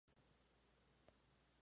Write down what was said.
Juega regularmente con ellos.